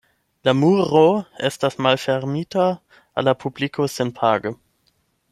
La muro estas malfermita al la publiko senpage.